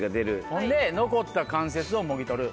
ほんで残った関節をもぎ取る。